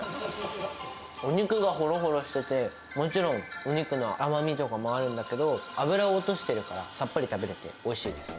お肉がほろほろしてて、もちろん、お肉の甘みとかもあるんだけど、脂を落としてるから、さっぱり食べれておいしいです。